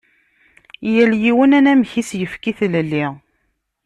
Yal yiwen anamek i as-yefka i tlelli.